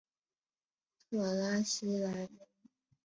特拉西莱蒙。